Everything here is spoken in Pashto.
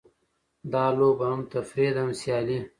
دا لوبه هم تفریح ده؛ هم سیالي.